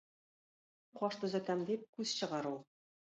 Каш төзәтәм дип күз чыгару